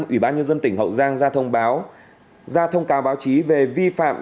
ủy ban nhân dân tỉnh hậu giang ra thông báo ra thông cáo báo chí về vi phạm